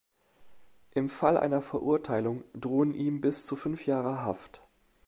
Im Fall einer Verurteilung drohen ihm bis zu fünf Jahre Haft.